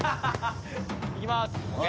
いきます。